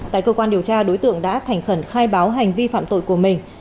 tại cơ quan điều tra đối tượng đã thành khẩn khai báo hành vi phạm tội của mình